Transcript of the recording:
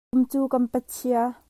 Tukum cu kan pachia.